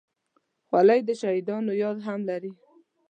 خولۍ د شهیدانو یاد هم لري.